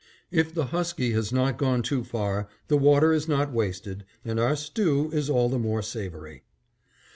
If the husky has not gone too far, the water is not wasted, and our stew is all the more savory.